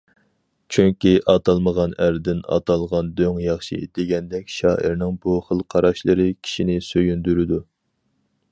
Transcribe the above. چۈنكى« ئاتالمىغان ئەردىن، ئاتالغان دۆڭ ياخشى» دېگەندەك شائىرنىڭ بۇ خىل قاراشلىرى كىشىنى سۆيۈندۈرىدۇ.